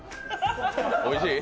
おいしい。